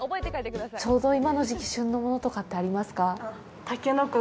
ちょうど今の時期、旬のものとかってありますか？